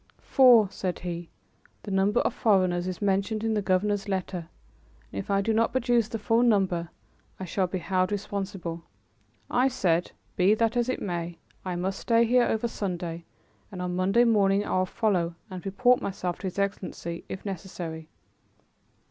"For," said he, "the number of foreigners is mentioned in the governor's letter, and if I do not produce the full number, I shall be held responsible." I said, "Be that as it may, I must stay here over Sunday and on Monday morning I will follow and report myself to his Excellency if necessary."